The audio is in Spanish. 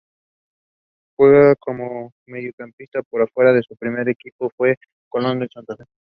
Juega como mediocampista por afuera y su primer equipo fue Colón de Santa Fe.